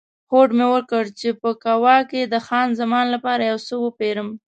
هوډ مې وکړ چې په کووا کې د خان زمان لپاره یو څه وپیرم.